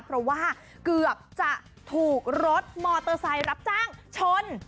เพราะว่าเกือบจะถูกรถมอเตอร์ไซค์รับจ้างชน